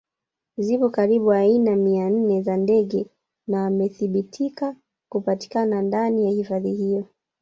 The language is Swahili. Zipo karibu aina mia nne za ndege na wamethibitika kupatikana ndani ya hifadhi hiyo